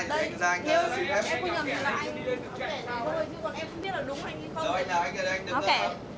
anh không cảm